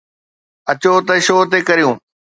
اچو ته شو تي ڪريون